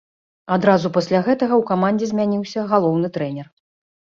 Адразу пасля гэтага ў камандзе змяніўся галоўны трэнер.